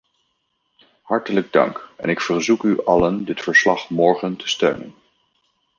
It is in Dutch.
Hartelijk dank en ik verzoek u allen dit verslag morgen te steunen.